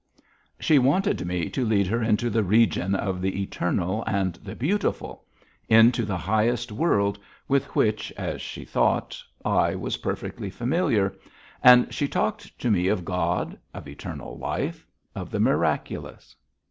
She wanted me to lead her into the region of the eternal and the beautiful, into the highest world, with which, as she thought, I was perfectly familiar, and she talked to me of God, of eternal life, of the miraculous.